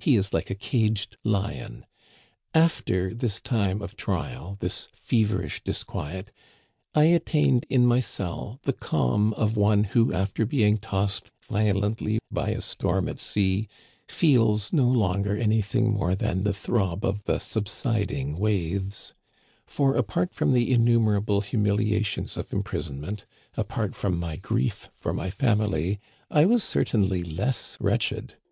He is like a caged lion. After this time of trial, this feverish disquiet, I attained in my cell the calm of one who after being tossed violently by a storm at sea, feels no longer anything more than the throb of the subsiding waves ; for apart from the innumerable humiliations of imprisonment, apart from my grief for my family, I was certainly less wretched.